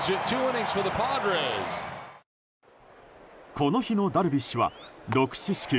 この日のダルビッシュは６四死球